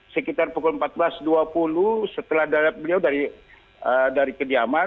sekitar pukul empat belas dua puluh setelah beliau dari kediaman